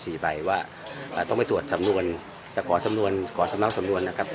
สี่ใบว่าอ่าต้องไปตรวจสำนวนจะขอสำนวนขอสำเนาสำนวนนะครับ